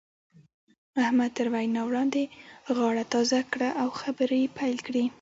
احمد تر وينا وړاندې غاړه تازه کړه او خبرې يې پيل کړې.